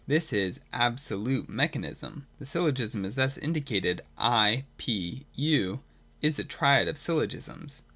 This is (3) Absolute Mechanism. 198.] The syllogism thus indicated (I — P — U) is a triad of syllogisms.